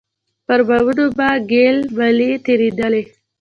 پر بامونو به ګيل مالې تېرېدلې.